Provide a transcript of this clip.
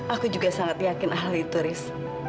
aku juga sangat yakin hal itu riz